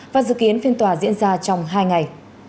và dự kiến phiên tòa diễn ra trong hai ngày